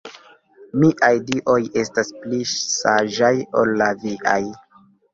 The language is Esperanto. Miaj Dioj estas pli saĝaj ol la viaj.